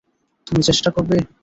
তুমি চেষ্টা করবে?